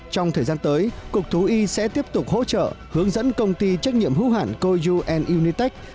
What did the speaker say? trong thời gian tới cục thú y sẽ tiếp tục hỗ trợ hướng dẫn công ty trách nhiệm hưu hạn koyu unitec